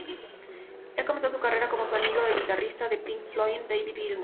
Él comenzó su carrera como un amigo del guitarrista de Pink Floyd, David Gilmour.